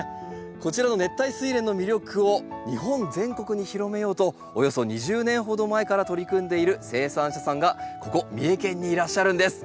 こちらの熱帯スイレンの魅力を日本全国に広めようとおよそ２０年ほど前から取り組んでいる生産者さんがここ三重県にいらっしゃるんです。